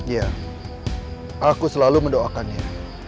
ya aku selalu mendoakannya